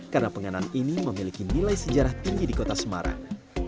karena penganan ini memiliki nilai sejarah tinggi di kota semarang